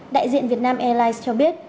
đại diện việt nam airlines cho biết